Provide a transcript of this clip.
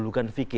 itu kalau berarti